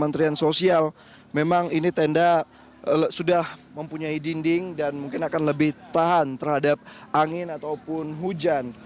dan sosial memang ini tenda sudah mempunyai dinding dan mungkin akan lebih tahan terhadap angin ataupun hujan